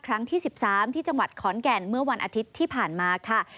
ที่๑๓ที่จังหวัดขอนแก่นเมื่อวันอาทิตย์ที่ผ่านมาค่ะ